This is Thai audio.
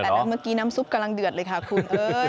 แต่เมื่อกี้น้ำซุปกำลังเดือดเลยค่ะคุณเอ้ย